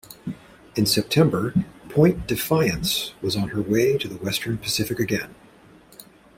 In September "Point Defiance" was on her way to the western Pacific again.